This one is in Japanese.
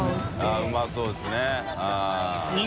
うまそうですね。